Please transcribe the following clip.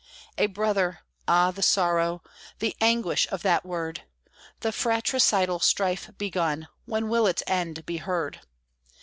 A brother! ah, the sorrow, the anguish of that word! The fratricidal strife begun, when will its end be heard?